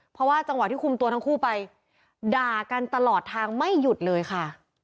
เพราะว่าจังหวะที่คุมตัวทั้งคู่ไปด่ากันตลอดทางไม่หยุดเลยค่ะ